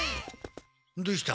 どうした？